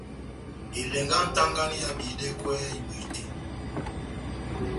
Elɛngɛ yá nʼtagani ehábihidɛkwɛ ibwete.